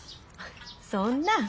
そんな。